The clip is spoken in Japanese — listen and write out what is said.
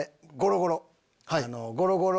ゴロゴロ！